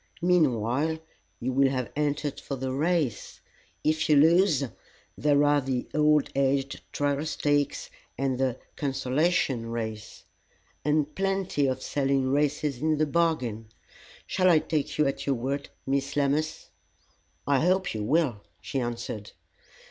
Meanwhile, you will have entered for the race. If you lose, there are the 'All aged Trial Stakes,' and the 'Consolation Race.'" "And plenty of selling races into the bargain. Shall I take you at your word, Miss Lammas?" "I hope you will," she answered.